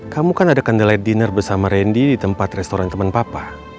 kamu kan ada kendala dinner bersama randy di tempat restoran teman papa